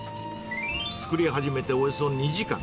作り始めておよそ２時間。